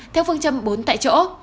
theo phương châm bốn tại chỗ